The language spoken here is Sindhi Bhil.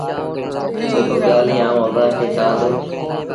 جيڪو ڳآليٚنٚ آئوٚنٚ اڀآنٚ کي ڪهآنٚ دو